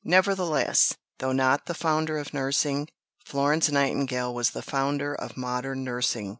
Nevertheless, though not the founder of nursing, Florence Nightingale was the founder of modern nursing.